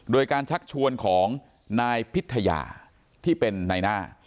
โดยการชักชวนของนายพิทยาที่เป็นนายหน้า